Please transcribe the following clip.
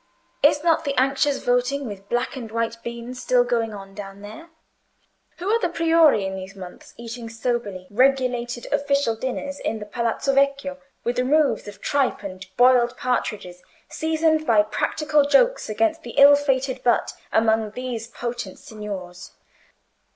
Is not the anxious voting with black and white beans still going on down there? Who are the Priori in these months, eating soberly regulated official dinners in the Palazzo Vecchio, with removes of tripe and boiled partridges, seasoned by practical jokes against the ill fated butt among those potent signors?